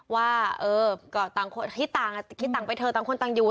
ว่าเออก็ต่างคนคิดต่างคิดต่างไปเถอะต่างคนต่างอยู่